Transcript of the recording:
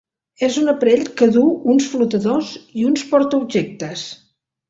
És un aparell que duu uns flotadors i uns portaobjectes.